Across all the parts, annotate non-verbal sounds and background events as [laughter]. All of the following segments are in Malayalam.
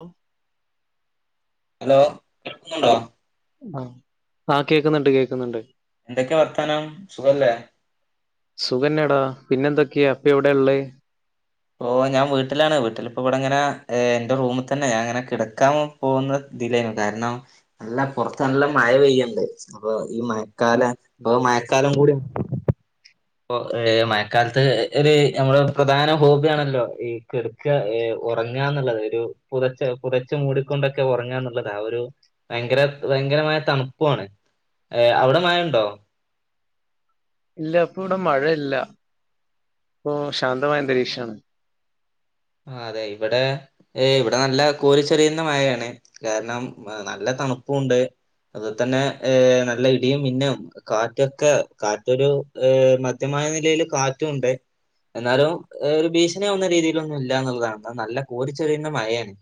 ആ ഹലോ എക്കുന്നുണ്ടോ ആഹ ആഹ കേക്കുന്നുണ്ട് കേൾക്കുന്നുണ്ട് എന്തൊക്കെയാ വർത്താനം സുഖല്ലേ സുഖന്നെടാ പിന്നെന്തൊക്കെയാ അപ്പ എവിടെ ഉള്ളേ ഓ ഞാൻ വീട്ടിലാണ് വീട്ടിലിപ്പോ ഇവിടെ ഇങ്ങനെ എന്റെ റൂമിൽ തന്നെ ഞാൻ ഇങ്ങനെ കിടക്കാൻ പോകുന്നത് ഇതിലരുന്നു കാരണം നല്ല പുറത്ത് നല്ല മഴ പെയ്യണ്ട് അപ്പൊ ഈ ഉം മഴക്കാലം അ മഴക്കാലം കൂടി ഇപ്പൊ മഴക്കാലത്ത് ഒരു നമ്മുടെ പ്രധാന ഹോബിയാണല്ലോ ഈ കെടുക്ക ഉറങ്ങാന്നുള്ളത് ഒരു പുതച്ച പുതച്ച മൂടിക്കൊണ്ടൊക്കെ ഉറങ്ങാന്നുള്ളത് ആ ഒരു ഭയങ്കര ഭയങ്കരമായ തണുപ്പുമാണ് അവിടെ മഴയുണ്ടോ [inaudible] ഇല്ല അപ്പൊ ഇവിടെ മഴയില്ല ഇപ്പൊ ശാന്തമായന്തരീക്ഷമാണ് ആ അതെ ഇവിടെ ഏ ഇവിടെ നല്ല കോരിച്ചെറിയുന്ന മഴയാണ് കാരണം നല്ല തണുപ്പുണ്ട് അതുെ തന്നെ നല്ല ഇടിയും പിന്നും കാറ്റൊക്കെ കാറ്റൊരു മധ്യ നിലൽ കാറ്റും ഉണ്ട് എന്നാലും ഒരു ഭീഷണിവന്ന രീതി ഒന്നും ഇല്ല എന്നുള്ളതാണ് നല്ല കോരി ചെറിയുന്ന മഴയാണ്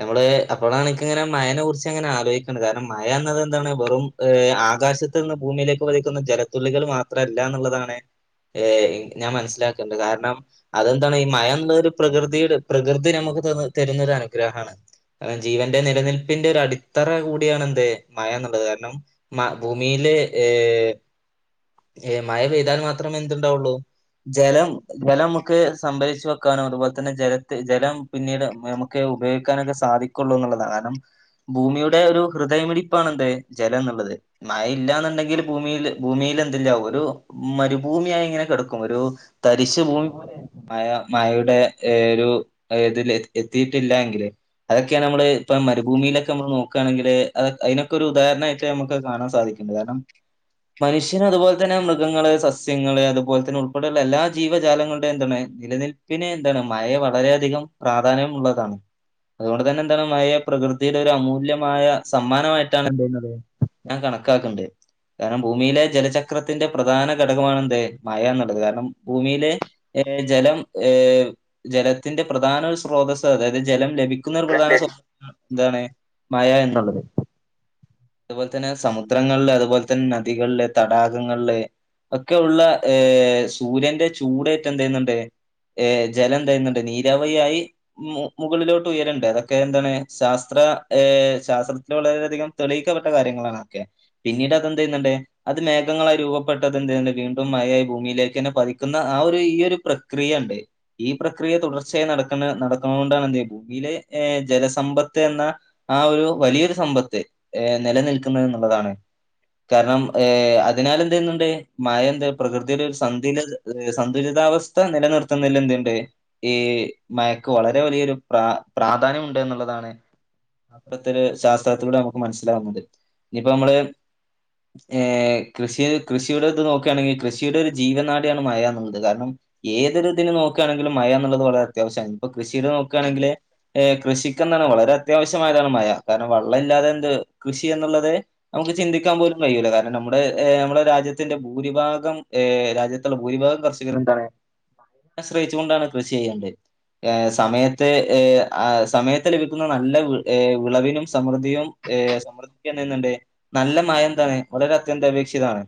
നമ്മള് അപ്പോഴാണ് എനിക്കിങ്ങനെ മയനെ കുറിച്ച് അങ്ങനെ ആലോചിക്കുന്നത് കാരണം മയ എന്നത് എന്താണ് വെറും ആകാശത്ത് നിന്ന് ഭൂമിയിലേക്ക് പതിക്കുന്ന ജലത്തുള്ളികൾ മാത്രല്ല എന്നുള്ളതാണ് ഏ ഞാൻ മനസ്സിലാക്കണ്ട് കാരണം അതെന്താണ് ഈ മയ എന്നുള്ളരു പ്രകൃതിയുടെ പ്രകൃതി നമുക്ക് തരുന്നൊ ഒരു അനുഗ്രഹമാണ് കാരണം ജീവന്റെ നിലനിൽപ്പിന്റെ ഒരു അടിത്തറ കൂടിയാണ് എന്ത് മഴ എന്നുള്ളത് കാരണം ഭൂമിയിൽ ഏ മഴ പെയ്താൽ മാത്രമേ എന്തുണ്ടാവുള്ളു ജലം ജലമക്കെ സംഭരിച്ചു വെക്കാന ഒരു തന്നെ ജല ജലം പിന്നീട് നമുക്ക് ഉപയോഗിക്കാനൊക്കെ സാധിക്കുള്ളൂ എന്നുള്ളത കാരണം ഭൂമിയുടെ ഒരു ഹൃദയമിടിപ്പാണ് എന്ത് ജലം എന്നുള്ളത് മഴ ഇല്ല എന്നുണ്ടെങ്കിൽ ഭൂമിയിൽ ഭൂമിൽ എന്തല്ല ഒരു മരുഭൂമിയായി ഇങ്ങനെ കിടക്കും ഒരു തരിശു ഭൂമി പോലെ മായ മായയുടെ ഏ ഒരു ഇതിൽ എത്തിയിട്ടില്ല എങ്കില് അതൊക്കെയാണ് നമ്മള് ഇപ്പം മരുഭൂമിയിലൊക്കെ നമ്മ നോക്കുകണെങ്ക അ അതിനൊക്കെ ഉാരണമായിട്ട് നമുക്ക് കാണൻ സാധിക്കും കാരണം മനുഷ്യന് അതുപോലെ തന്നെ മൃഗങ്ങള്, സസ്യങ്ങള്, അതുപോലെ തന്നെ ഉൾപ്പെടെയുള്ള എല്ലാ ജീവജാലങ്ങളുടെയും എന്താണ് നിലനിൽപ്പിന് എന്താണ് മഴ വളരെയധികം പ്രാധാന്യം ഉള്ളതാണ് അതുകൊണ്ട് തന്നെ എന്താണ് മഴ പ്രകൃതിയുടെ ഒരു അമൂല്യമായ സമ്മാനമായിട്ടാണ് എന്ത് ചെയ്യുന്നത് ഞാൻ കണക്കാക്കണ്ടേ കാരണം ഭൂമിയിലെ ജലചക്രത്തിന്റെ പ്രധാന ഘടകമാണ എന്ത മയ എന്നുള്ളത് കാരണം ഭൂമിയിലെ- ഏ ജലം ഏഹ! ജലത്തിന്റെ പ്രധാന സ്രോതസ് അതായത് ജലം ലഭിക്കുന്ന ഒരു പ്രധാന സ്രോതസ് എന്താണ് മയ എന്നുള്ളത്. അതുപോലെ തന്നെ സമുദ്രങ്ങളില് അതുപോലെ തന്നെ നദികളില് തടാകങ്ങളില് ഒക്കെ ഉള്ള ഏഹ സൂര്യന്റെ ചൂടായിട്ട എന്ത ചെയുന്നുണ്ട് ഏ ജലം എ തരുന്നുണ്ട് നീരാവിയായി മുകളിലോട്ട് ഉയരണ്ട് അതൊക്കെ എന്താണ് ശാസ്ത്ര- ശാസ്ത്രത്തിൽ വളരെയധികം തെളിയിക്കപ്പെട്ട കാര്യങ്ങളാണ്ക്കെ പിന്നീട് അത്ന്ത് ചെയ്യുന്നുണ്ട് അത് മേഘങ്ങളായി രൂപപ്പെട്ടത് എന്ത വീണ്ടും മയായി ഭൂമിയിലേക്ക് തന്നെ പതിക്കുന്ന ആ ഒരു ഈ ഒരു പ്രക്രിയണ്ട്. ഈ പ്രക്രിയ തുടർച്ചയായി നടക്കുന്ന നടക്കുന്ന കൊണ്ടാണ് എന്ത് ഭൂമിയിലെർ ജലസമ്പത്ത് എന്ന- ആ ഒരു വലിയൊരു സമ്പത്ത് ഏർ നിലനിൽക്കുന്നത് എന്നുള്ളതാണ്. കാരണം ഏ അതിനാാല എന്തുന്നുണ്ട് മഴ എന്താ പ്രകൃതിയുടെ ഒരു സന്തുല സന്തുല- കാലസ്ഥ നിലനിർ- എന്ണ്ട് ഈ മയക്ക് വളരെ വലിയൊരു പ്ര പ്രാധാന്യം ഉണ്ട് എന്നുള്ളതാണ് അപ്പുറത്തെ ഒരു ശാസ്ത്രത്തിലൂടെ നമുക്ക് മനസ്സിലാാവുന്നത് ഇനിയിപ്പോ നമ്മള് ഏ കൃഷി കൃഷിയുടെ ഇത് നോക്കുകയാണെങ്കിൽ കൃഷിയുടെ ഒരു ജീവനാടിയാണ് മഴ എന്നുള്ളത് കാരണം- ഏതൊരു നോക്കുകയാണെങ്കിൽ മയ എന്നുള്ളത് വളരെ അത്യാവ്യമാണ് ഇപ്പൊ കൃഷി നക്കയാണെങ്കിൽ കൃഷിക്കാണ് വളരെ അത്യാവ്യം മായതാണ് മഴ കാരണം വെള്ളം ഇല്ലാതെ എന്ത് കൃഷി എന്നുള്ളത് നമുക്ക് ചിന്തിക്കാൻ പോലും കഴൂല കാരണം നമ്മുടെ നമ്മുടെ രാജ്യത്തിന്റെ ഭൂരിഭാഗം ഏ രാജ്യത്തുള്ള ഭൂരിഭാഗം കർഷകർ എന്താണ്? ആശ്രയിച്ച കൊണ്ടാണ് കൃഷി ചെയ്യേണ്ടത്. ഏ സമയത്ത് ഏ സമയത്ത് ലഭിക്കുന്ന നല്ല ഏ വിളവിനും, സമൃദ്ധിയും, ഏ സമ്മർദ്ദിക്കുകണ്ട് നല്ല മായംന്താണ് വളരെ അത്യന്ത അപേക്ഷിതാണ്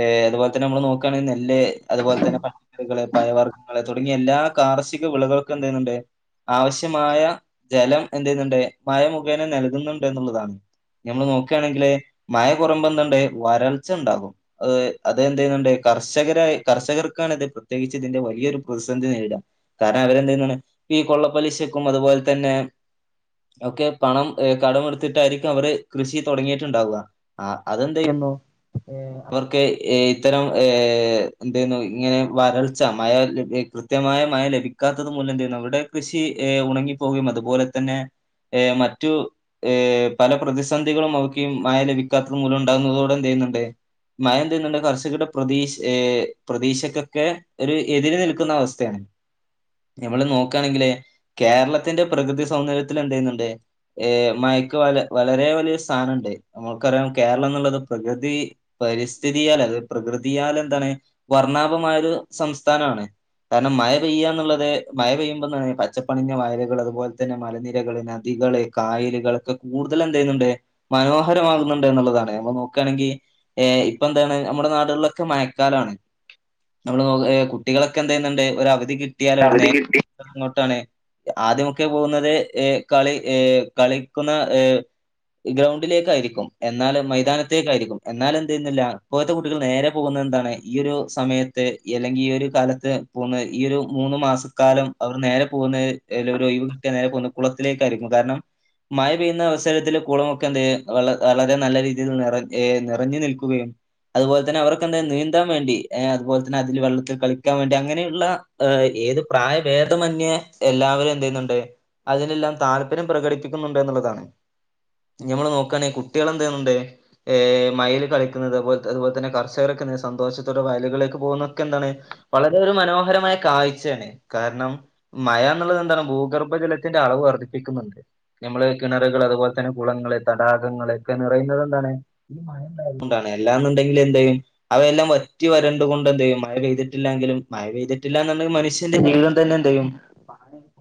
ഏ അതുപോലെ തന്നെ നമ്മ നോുകയാണെങ്കിൽ നെല് അതുപോലെ തെ പക്കറികള് ങ്ങളെ തുടങ്ങിയ എല്ലാ കാർഷിക വിളകൾക്കും എന്ത ചെയ്യുന്നുണ്ട് ആവശ്യമായ ജലം എന്ത് ചെയ്യുന്നുണ്ട് മുഖേന നൽകുന്നുണ്ട് എന്നുള്ളതാണ് നഞമ്മള് നോക്കുകയാണെങ്കില് മഴ കുറമ്പ് എന്തതുണ്ട് വരൾച്ച ഉണ്ടാകും അ അത് എന്ത ചെയ്യുന്നുണ്ട കർഷകരായ കർഷകർക്കാണ് ഇത് പ്രത്യേകിച്ച് ഇതിന്റെ വലിയൊരു പ്രതിസന്ധി നേടാം കാരണം അവരെന്താണ് ഈ കൊള്ളപ്പലിശക്കും അതുപോലെ തന്നെ- ഒക്കെ പണം കടം എടുത്തിട്ടായിരിക്കും അവര് കൃഷി തുടങ്ങിയിട്ടുണ്ടാവുക. അതെന്ത ചെയ്യും? അവർക്ക് ഇത്തരം എന്തെന്ന ഇങ്ങനെ- വരൾച്ച മഴ കൃത്യമായ മഴ ലഭിക്കാത്തത് മൂലം നമ്മടെ കൃഷി ഉണങ്ങിപ്പോകയും- അതുപോലെ തന്നെ, മറ്റു ഏ പല പ്രതിസന്ധികളും അവർക്ക് മായ ലഭിക്കാത്ത മൂലം ഉണ്ടാകുന്നതോടെ എന്ത- മഴ എന്ത കർച്ചുകടെ പ്രതീക്ഷ പ്രതീക്ഷക്കെ ഒക്കെ ഒരു എതിര് നിൽക്കുന്ന അവസ്ഥയാണ്. നമ്മള് നോക്കയാണെങ്കില് കേരളത്തിന്റെ പ്രകൃതി സൗന്ദര്യത്തിൽ എന്ത ചെയ്യുന്നുണ്ട് ഏ മയക്ക് വ വളരെ വലിയ സ്ഥാനണ്ട് നമ്മുക്കറിയൻ- കേരളം എന്നുള്ളത് പ്രകൃതി പരിസ്ഥിതിയൽ അ പ്രകൃതിയാല എന്തെ വർണ്ണ- മായൊരു സംസ്ഥാനമാണ്. കാരണം മഴ പെയ്യുകന്നുള്ളത് മഴ പെയ്യുമ്പോ പച്ചപ്പണിഞ്ഞ വയലുകൾ അതുപോലെ തന്നെ മലനിരകളെ നദി - കള് കായലുകളൊക്കെ കൂടുതല എന്ത് ചെയ്യുന്നുണ്ട് മനോഹരമാകുന്നുണ്ട് എന്നുള്ളതാണ് നമ്മൾ നോക്കുകയാണെങ്കിൽ ഏ ഇപ്പ എന്താണ് നമ്മുടെ നാടുകളിലൊക്കെ മയക്കാലാണ് നമ്മൾ നോക്കു കുട്ടികളൊക്കെന്ത ചെയ്യുന്നുണ്ട് ഒരു അവധി കിട്ടിയാൽ അവര് നേരെ അങ്ങോട്ടാണ് ആദ്യമൊക്കെ പോകുന്നത് ഏ കളി ഏർ കളിക്കുന്ന ഏർ ഗ്രൗണ്ടിലേക്കായിയിരിക്കും എന്നാലും മൈതാനത്തേക്കായിയിരിക്കും എന്നാല എന്ത് ചെയ്യുന്നില്ല അപ്പോഴത്തെ കുട്ടികൾ നേരെ പോകുന്നത് എന്താണ് ഈ ഒരു സമയത്ത് അല്ലെങ്കിൽ ഈ ഒരു കാലത്ത് പോകുന്ന ഈ ഒരു മൂന്ന് മാസക്കാലം അവർ നേരെ പോകുന്ന നേരെ പോകുന്നത് കുളത്തിലേക്ക് ആയിരിക്കും കാരണം മഴ പെയ്യുന്ന അവസരത്തിൽ കുളമൊക്കെ എന്ത് ചെയ്യ വളരെ നല്ല രീതിയിൽ നിറ നിറഞ്ഞു നിൽക്കുകയും അതുപോലെ തന്നെ അവർക്ക് എന്ത നീന്താൻ വേണ്ടി ഏ അതുപോലെ അതിൽ വെള്ളത്തിൽ കളിക്കാൻ വേണ്ടി അങ്ങനെയുള്ള ഏത് പ്രായ ഭേദമന്യ എല്ലാവരും എന്ത് ചെയ്യുന്നു അതിനെല്ലാം താല്പര്യം പ്രകടിപ്പിക്കുന്നുണ്ട് എന്നുള്ളതാണ് ഞമ്മൾ നോക്കുകയാണെിൽ കുട്ടികൾ എന്ത് ചെയ്യുന്നുണ്ട് മയിൽ കളിക്കുന്നത് അതുപോലെ തന്നെ കർഷകർക്കെ സന്തോഷത്തോടെ വയലുകളിൽ പോന്നൊക്കെ എന്താണ് വളരെ ഒരു മനോഹരമായ കാഴ്ചയാണ് കാരണം മയ എന്നുള്ളത് എന്താണ് ഭൂഗർഭജലത്തിന്റെ അളവ് വർദ്ധിപ്പിക്കുന്നുണ്ട് നമ്മള് കിണറുകൾ അതുപോലെ തന്നെ കുളങ്ങള് തടാകങ്ങള് നിറയുന്നത് എന്താണ് മഴണ്ടായതുകൊണ്ടാണ് അല്ലായെന്നുണ്ടെങ്കിൽ എന്താണ് ചെയ്യും അവയെല്ലാം വറ്റി വര ണ്ട് എന്ത് ചെയ്യും മഴ പെയ്തിട്ടില്ലെങ്കിലും മഴ പെയ്തിട്ടില്ലാങ്കിൽ മനുഷ്യന്റെ ജീവിത തന്ന എന്തതു ചെയ്യും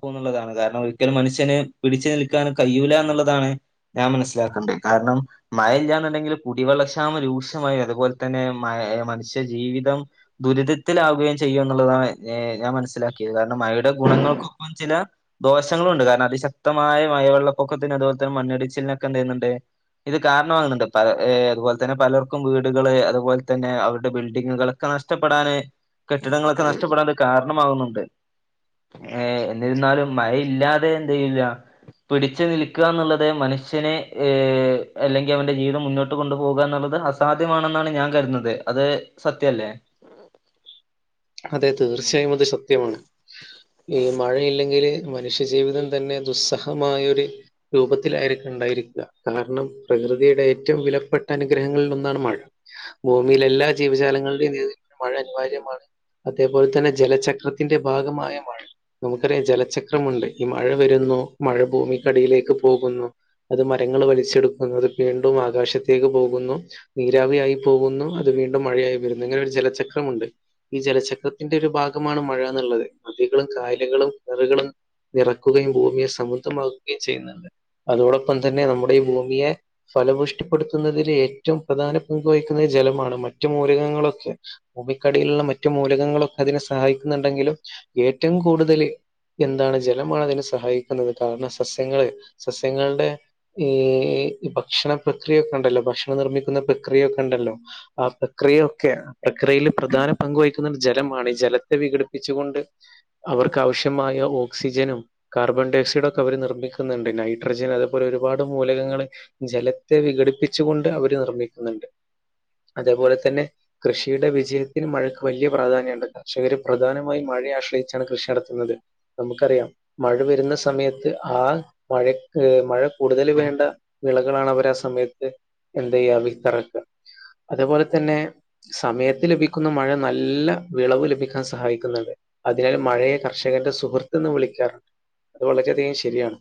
പോന്നുള്ളതാണ് കാരണം ഒരിക്കലും മനുഷ്യന് പിടിച്ചു നിൽക്കാനും കഴിയൂല എന്നുള്ളതാണ് ഞാൻ മനസ്സിലാക്കുന്നത് കാരണം മയയില്ലാന്നുണ്ടെങ്കിൽ കുടിവെള്ളക്ഷാമം രൂക്ഷമായി അതുപോലെ തന്നെ മ മനുഷ്യജീവിത ദുരിതത്തിലാവുകയും ചെയ്യും എന്നുള്ളതാണ് ഞാൻ മനസ്സിലാക്കിയത് കാരണം മഴയുടെ ഗുണങ്ങൾക്കൊപ്പം ചില ദോഷങ്ങളും ഉണ്ട് കാരണം അതിശക്തമായ മഴവെള്ളപ്പൊക്കത്തിന് അതുപോലെ തന്നെ മണ്ണിടിച്ചിലിനൊക്കെ എന്ത് ചെയ്യുന്നുണ്ട് ഇത് കാരണമാകുന്നുണ്ട് പല അതുപോലെ തന്നെ പലർക്കും വീടുകള് അതുപോലെ തന്നെ അവരുടെ ബിൽഡിങ്ങുകൾ നഷ്ടപ്പെടാന് കെട്ടിടങ്ങളൊക്കെ നഷ്ടപ്പെടാൻ കാരണമാകുന്നുണ്ട് ഏ എന്നിരുന്നാലും മഴയില്ലാതെ എന്ത് ചെയല്ല പിടിച്ചു നിൽക്കുക എന്നുള്ളത് മനുഷ്യനെ അല്ലെങ്കിൽ അവന്റെ ജീവിതം മുന്നോട്ട് കൊണ്ടുപോകുക എന്നുള്ളത് അത് അസാധ്യമാണെന്നാണ് ഞാൻ കരുതുന്നത് അത് സത്യല്ലേ അതെ തീർച്ചയായും അത് സത്യമാണ് ഈ മഴയില്ലെങ്കില് മനുഷ്യജീവിതം തന്നെ ദുസ്സഹമായൊരു രൂപത്തിലായിരിക്കണം ഉണ്ടായിരിക്കുക കാരണം പ്രകൃതിയുടെ ഏറ്റവും വിലപ്പെട്ട അനുഗ്രഹങ്ങളിൽ ഒന്നാണ് മഴ ഭൂമിയിൽ എല്ലാ ജീവിജാലങ്ങളുടെയും [unintelligible] മഴ അനിവാര്യമാണ് അതേപോലെ തന്നെ ജലചക്രത്തിന്റെ ഭാഗമായമാണ് നമുക്കറിയാം ജലചക്രമുണ്ട് ഈ മഴ വരുന്നു മഴ ഭൂമിക്കടിയിലേക്ക് പോകുന്നു അത് മരങ്ങ ൾ വലിച്ചെടുക്കുന്നു അ വീണ്ടും ആകാശത്തേക്ക് പോകുന്നു നീരാവിയായി പോകുന്നു അത് വീണ്ടും മഴ ഇങ്ങനെ ഒരു ജലചക്രമുണ്ട് ഈ ജലചക്രത്തിന്റെ ഒരു ഭാഗമാണ് മഴ എന്നുള്ളത് നദികളും കായലുകളും കറുകളും [unintelligible] ഇറക്കുകയും ഭൂമിയെ സമൃദ്ധമാക്കുകയും ചെയ്യുന്നുണ്ട് അതോടൊപ്പം തന്നെ നമ്മുടെ ഈ ഭൂമിയെ ഫലപുഷ്ടിപ്പെടുത്തുന്നതിൽ ഏറ്റവും പ്രധാന പങ്ക് വഹിക്കുന്നത് ജലമാണ് മറ്റ് മൂലകങ്ങളൊക്കെ കടയിലുള്ള മറ്റു മൂലകങ്ങളൊക്കെ അതിനെ സഹായിക്കുന്നുണ്ടെങ്കിലും ഏറ്റവും കൂടുതൽ എന്താണ് ജലമാണ് അതിനെ സഹായിക്കുന്നത് കാരണം സസ്യങ്ങള് സസ്യങ്ങളുടെ ഈ ഈ ഭക്ഷണ പ്രക്രിയൊക്കെ ഉണ്ടല്ലോ ഭക്ഷണം നിർമ്മിക്കുന്ന പ്രക്രിയയൊക്കെ ഉണ്ടല്ലോ ആ പ്രക്രിയയൊക്കെ പ്രക്രിയയിൽ പ്രധാന പങ്ക് വഹിക്കുന്നത് ജലമാണ് ഈ ജലത്തെ വിഘടിപ്പിച്ചുകൊണ്ട് അവർക്ക് ആവശ്യമായ ഓക്സിജനും കാർബൺ ഡൈ ഓക്സൈഡ് ഒക്കെ അവർ നിർമ്മിക്കുന്നുണ്ട് നൈട്രജൻ അതേപോലെ ഒരുപാട് മൂലകങ്ങൾ ജലത്തെ വിഘടിപ്പിച്ചു കൊണ്ട് അവര് നിർമ്മിക്കുന്നുണ്ട് അതേപോലെ തന്നെ കൃഷിയുടെ വിജയ ത്തിന് മഴയ്ക്ക് വെല്ല്യ പ്രാധാന്യണ്ട് കർഷകർ പ്രധാനമായും മഴയ ആശ്രയിച്ചാണ് കൃഷി നടത്തുന്നത് നമുക്കറിയാം മഴ വരുന്ന സമയത്ത് ആ മഴ മഴ കൂടുതൽ വേണ്ട വിളകളാണ് അവര് സമയത്ത് എന്തെയ്യാ വിത്തെറക്ക അതുപോലെ തന്നെ സമയത്ത് ലഭി ക്കുന്ന മഴ നല്ല വിളവ് ലഭിക്കാൻ സഹായിക്കുന്നുണ്ട് അതിനാൽ മഴയെ കർഷകൻ്റെ സുഹൃത്ത് എന്ന് വിളി ക്കാറ് അത് വളരെയധികം ശെരിയാണ്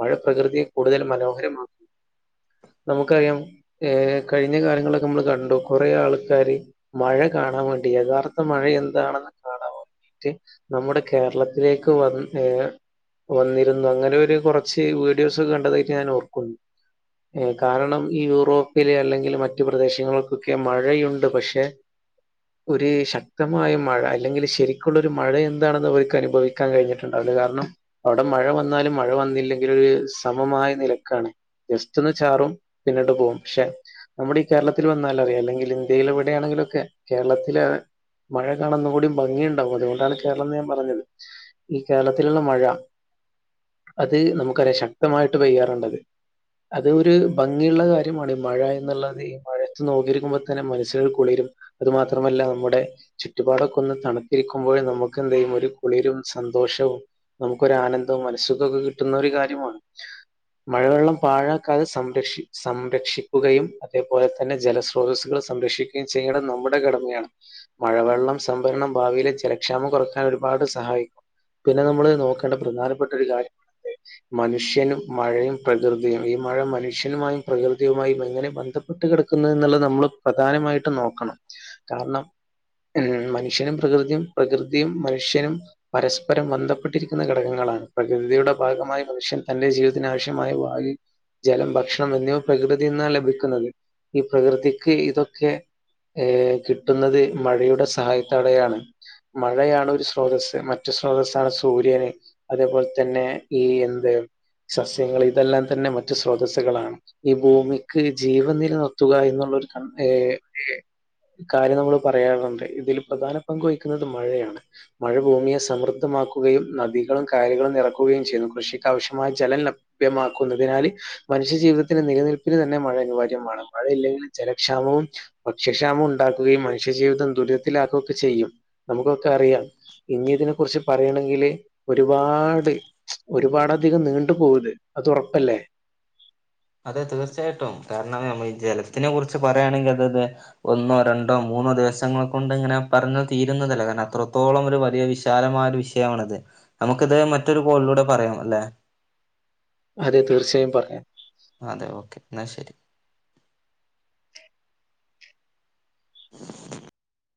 മഴ പ്രകൃതിയെ കൂടുതൽ മനോഹരമാ ആ [inaudible] നമുക്കറിയാം ഏ കഴിഞ്ഞ കാലങ്ങളിലൊക്കെ അമ്മള് കണ്ടു കുറെ ആൾക്കാര് മഴ കാണാൻ വേണ്ടി യഥാർത്ഥ മഴയെന്താണെന്ന് കാണാവേണ്ടി ട്ട് നമ്മുടെ കേരളത്തിലേക്ക് വന് ഏ വന്നിരുന്നു അങ്ങനെ ഒരു കൊറച്ച് വീഡിയോസ് കണ്ടതായിട്ട് ഞാൻ ഓർക്കുന്നു ഉം കാരണം ഈ യൂറോപ്പിലെ അല്ലെങ്കിൽ മറ്റു പ്രദേശങ്ങൾക്കൊക്കെ മഴയുണ്ട് പക്ഷെ ഒരു ശക്തമായ മഴ അല്ലെങ്കില് ശരിക്കുള്ളൊരു മഴ എന്താണെന്ന് അവർക്ക് അനുഭവിക്കാൻ കഴിഞ്ഞിട്ടുണ്ടാവില്ല കാരണം ണം അവിടെ മഴ വന്നാലും മഴ വന്നില്ലെങ്കിലൊരു സമമായ നിലക്കാണ് ജസ്റ്റ് ഒന്ന് ചാറും പിന്നണ്ട് പോവും ക്ഷെ നമ്മുടെ ഈ കേരളത്തിൽ വന്നാലറിയാം അല്ലെങ്കില് ഇന്ത്യയിലെ ഇവിടെയാണെങ്കിലൊക്കെ കേരളത്തിലാ മഴ കാണുന്ന ഒന്നുംകൂടി ഭംഗിണ്ടാവും അതുകൊണ്ടാണ് കേരളം ന്ന് ഞാൻ പറഞ്ഞത് ഈ കേരളത്തിലുള്ള മഴ അത് നമുക്കറിയാ ശക്തമായിട്ട് പെയ്യാറുണ്ടത് അത് ഒരു ഭംഗിള്ള കാര്യമാണ് ഈ മഴ എന്നുള്ളത് ഈ മഴത്ത് നോക്കിയിരിക്കുമ്പോ തന്നെ മനസ്സിനൊരു കുളിരും അതുമാത്രമല്ല നമ്മുടെ ചുറ്റുപാടൊക്കെ ഒന്ന് തണുത്തിരിക്കുമ്പോഴേ നമുക്ക് എന്തേയും ഒരു കുളിരും സന്തോഷവും നമുക്കൊരു ആനന്ദവും മനസു ക്കൊക്കെ കിട്ടുന്ന ഒരു കാര്യമാണ് മഴവെള്ളം പാഴാക്കാതെ സംരക്ഷി സംരക്ഷിക്കുകയും അതേപോലെ തന്നെ ജലസ്രോതസ്സുകൾ സംരക്ഷിക്കുകയും ചെയ്യണം നമ്മ ടെ കടമയാണ് മഴവെള്ളം സംഭരണം ഭാവിയിലെ ജലക്ഷാമം കൊറക്കാൻ ഒരുപാട് സഹായിക്കും പിന്നെ നമ്മള് നോക്കേണ്ട പ്രധാനപ്പെട്ട ഒരു കാര്യ മനുഷ്യനും മഴയും പ്രകൃതിയും ഈ മഴ മനുഷ്യനുമായും പ്രകൃതിയുമായും എങ്ങനെ ബന്ധ പ്പെട്ട് കിടക്കുന്ന ന്ന്ള്ളെ നമ്മൾ പ്രധാനമായിട്ടും നോക്കണം കാരണം ഉം മനുഷ്യനും പ്രകൃതിയും പ്രകൃതിയും മനുഷ്യനും പരസ്പരം ബന്ധപ്പെട്ടിരിക്കുന്ന ഘടകങ്ങ ളാണ് പ്രകൃതിയുടെ ഭാഗമായി മനുഷ്യൻ തന്റെ ജീവിതത്തിന് ആവശ്യമായ വായു ജലം ഭക്ഷണം എന്നിവ പ്രകൃതിന്നാ ലഭിക്കുന്നത് ഈ പ്രകൃതിക്ക് ഇതൊക്കെ ഏ കിട്ടുന്നത് മഴയുടെ സഹായത്തോടെയാണ് മഴയാണ് ഒരു സ്രോതസ്സ് മറ്റു സ്രോതസ്സാണ് സൂര്യന് അതേപോലെ തന്നെ ഈ എന്ത് സസ്യങ്ങൾ ഇതെല്ലാം തന്നെ മറ്റു സ്രോതസ്സുകളാണ് ഈ ഭൂമിക്ക് ജീവൻ നിലനിർത്തുക എന്നു ഒരു [unintelligible] ഏ കാര്യം നമ്മൾ പറയാറ്ണ്ട് ഇതില് പ്രധാന പങ്ക് വഹിക്കുന്നത് മഴയാണ് മഴ ഭൂമിയെ സമൃ ദ്ധമാക്കുകയും നദികളും കായലുകളും നിറക്കുകയും ചെയ്യുന്നു കൃഷിക്കാവശ്യമായ ജലം ലഭ്യമാക്കുന്നതിനാല് മനുഷ്യജീവിതത്തിന് നിലനിൽപ്പിന് തന്നെ മഴ അനിവാര്യമാണ് മഴയില്ലെങ്കിൽ ജലക്ഷാമവും ഭ ക്ഷ്യക്ഷാമം ഉണ്ടാക്കുകയും മനുഷ്യജീവിതം ദുരിതത്തിലാക്കുക്കെ ചെയ്യും നമുക്കൊക്കെ അറിയാം ഇഞി ഇതിനെ കുറിച്ച് പറയണെ ങ്കില് ഒരുപാട് ച് ഒരുപാട ധികം നീണ്ടു പോകുത് അത് ഒറപ്പല്ലേ അതെ തീർച്ചായിട്ടും കാരണം ഞമ്മളി ജലത്തിനെ കുറിച്ച് പറയാണെങ്കി അതത് ഒന്നോ ര ണ്ടോ മൂന്നോ ദിവസങ്ങൾ കൊണ്ട് ങ്ങനെ പറഞ്ഞ തീരുന്നതല്ല കാരണം അത്രത്തോളം ഒരു വലിയ വിശാലമായ ഒരു വിഷയമാണത് നമുക്കിത് നെ മറ്റൊരു കോളി ലൂടെ പറയാം അല്ലെ അതെ തീർച്ചായും പറയാം അതെ ഓക്കെ ന്നാ ശെരി